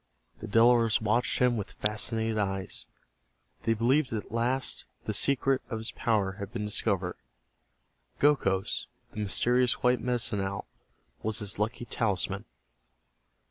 The Delawares watched him with fascinated eyes. They believed that at last the secret of his power had been discovered. Gokhos, the mysterious white Medicine Owl, was his lucky talisman.